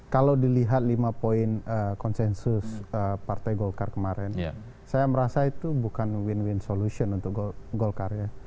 kalau dilihat lima poin konsensus partai golkar kemarin saya merasa itu bukan win win solution untuk golkar ya